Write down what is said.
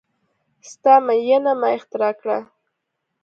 ستا میینه ما اختراع کړه